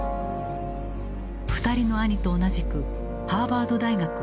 ２人の兄と同じくハーバード大学を卒業。